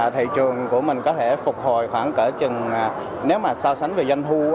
thị trường của mình có thể phục hồi khoảng kể chừng nếu mà so sánh về doanh thu